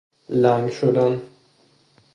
لنگ شدن